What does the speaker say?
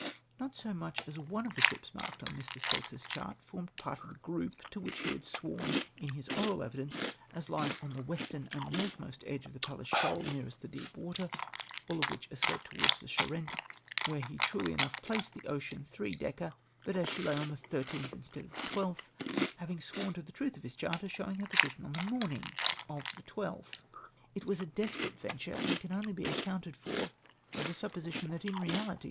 Not so much as one of the ships marked on Mr. Stokes's chart formed part of the "group" to which he had sworn, in his oral evidence, as lying on the " western and northernmost edge of the Palles Shoal, nearest the deep ivater, all of which escaped tow^ards the Charente, where he truly enough placed the Ocean three decker, but as she lay on the 13th instead of the 12th, he having sworn to the truth of his cliart as showing her position on the morning of the 12th ! It w^as a desperate venture, and can only be accoimted for by the supposition that, in reahty, ]\Ii